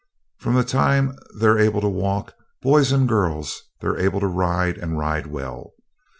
From the time they're able to walk, boys and girls, they're able to ride, and ride well.